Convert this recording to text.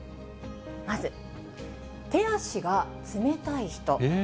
まず、手足が冷たい人。